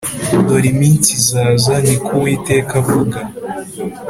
“Dore iminsi izaza, ni ko Uwiteka avuga